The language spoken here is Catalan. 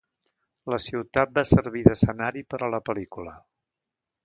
La ciutat va servir d'escenari per a la pel·lícula.